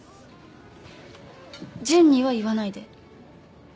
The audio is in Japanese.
純には言わないで。